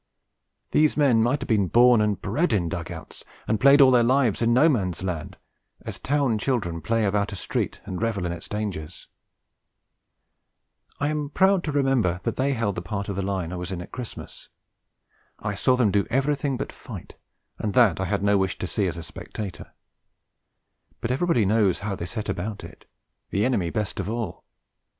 These men might have been born and bred in dug outs, and played all their lives in No Man's Land, as town children play about a street and revel in its dangers. I am proud to remember that they held the part of the line I was in at Christmas. I saw them do everything but fight, and that I had no wish to see as a spectator; but everybody knows how they set about it, the enemy best of all.